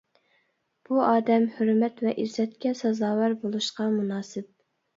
بۇ ئادەم ھۆرمەت ۋە ئىززەتكە سازاۋەر بولۇشقا مۇناسىپ.